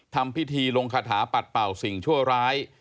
ทำพิธีลงคาถาปัดเป่าสิ่งชั่วร้าย